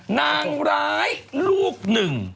นางร้ายลูกหนึ่ง